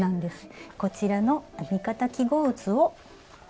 こちらの編み方記号図を。